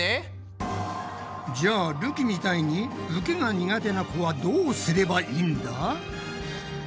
じゃあるきみたいに受けが苦手な子はどうすればいいんだ？